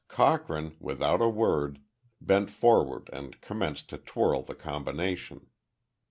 Cochrane, without a word, bent forward and commenced to twirl the combination.